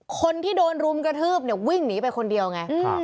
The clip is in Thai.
คนที่โดนรุมกระทืบเนี่ยวิ่งหนีไปคนเดียวไง